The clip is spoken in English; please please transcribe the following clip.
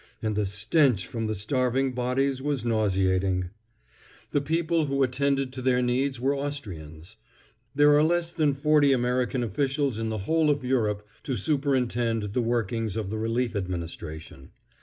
And the stench from the starveling bodies was nauseating. The people who attended to their needs were Austrians. There are less than forty American officials in the whole of Europe to superintend the workings of the Relief Administration.